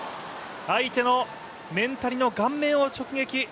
相手のメンタリの顔面を直撃。